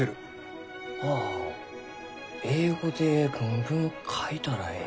ああ英語で論文書いたらえい。